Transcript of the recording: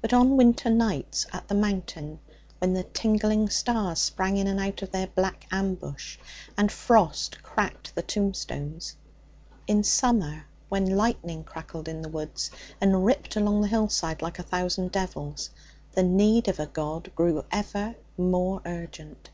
But on winter nights at the mountain, when the tingling stars sprang in and out of their black ambush and frost cracked the tombstones; in summer, when lightning crackled in the woods and ripped along the hillside like a thousand devils, the need of a God grew ever more urgent.